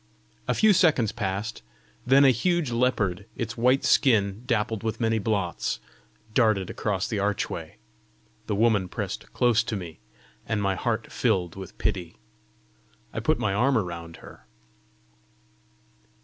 A few seconds passed; then a huge leopard, its white skin dappled with many blots, darted across the archway. The woman pressed close to me, and my heart filled with pity. I put my arm round her.